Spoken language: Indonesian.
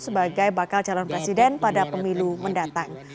sebagai bakal calon presiden pada pemilu mendatang